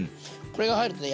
これが入るとね